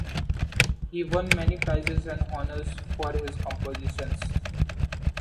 He won many prizes and honors for his compositions.